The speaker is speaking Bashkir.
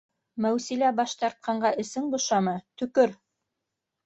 — Мәүсилә баш тартҡанға әсең бошамы? Төкөр